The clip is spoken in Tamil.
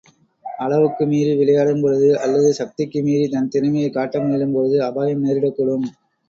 அளவுக்கு மீறி விளையாடும் பொழுது, அல்லது சக்திக்கு மீறி தன் திறமையைக் காட்ட முயலும்பொழுது, அபாயம் நேரிடக்கூடும்.